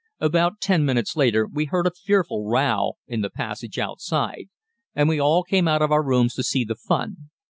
About ten minutes later we heard a fearful row in the passage outside, and we all came out of our rooms to see the fun.